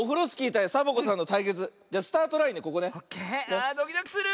ああドキドキする！